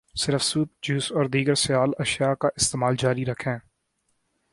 صرف soup, juice, اور دیگر سیال اشیاء کا استعمال جاری رکھیں